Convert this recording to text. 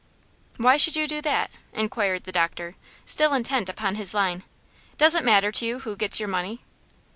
"Why should you do that?" enquired the doctor, still intent upon his line. "Does it matter to you who gets your money?"